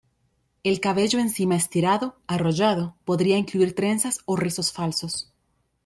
El cabello encima estirado, arrollado, podía incluir trenzas o rizos falsos.